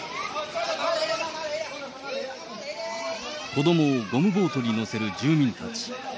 子どもをゴムボートに乗せる住民たち。